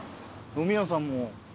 飲み屋さんも。